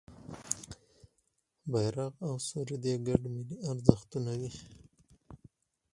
بېرغ او سرود یې ګډ ملي ارزښتونه وي.